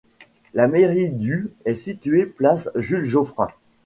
La mairie du est située place Jules-Joffrin.